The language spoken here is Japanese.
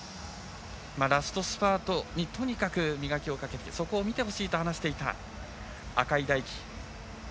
ラストスパートにとにかく磨きをかけてそこを見てほしいと話していた赤井大樹。